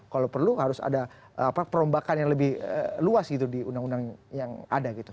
kalau perlu harus ada perombakan yang lebih luas gitu di undang undang yang ada gitu